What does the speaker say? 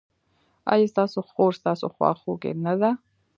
ایا ستاسو خور ستاسو خواخوږې نه ده؟